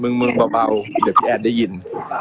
มึงเปล่าเดี๋ยวพี่แอนด้วยยิน